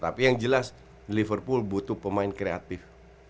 tapi yang jelas liverpool butuh pemain kreatif